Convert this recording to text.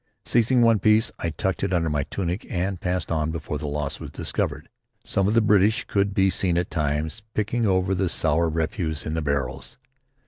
Seizing one piece, I tucked it under my tunic and passed on before the loss was discovered. Some of the British could be seen at times picking over the sour refuse in the barrels.